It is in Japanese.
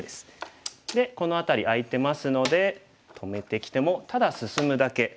でこの辺り空いてますので止めてきてもただ進むだけ。